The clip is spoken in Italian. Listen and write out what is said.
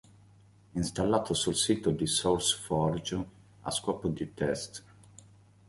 È installato sul suo sito SourceForge a scopo di test.